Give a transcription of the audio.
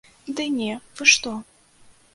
Ды не, вы што.